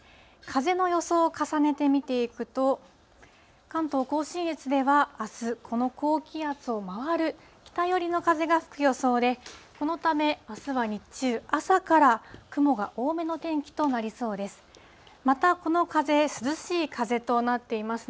風の予想を重ねて見ていくと、関東甲信越ではあす、この高気圧をまわる北寄りの風が吹く予想で、このためあすは日中、朝から雲が多めの天気となりそうです。